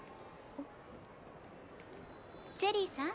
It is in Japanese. チェリーさん。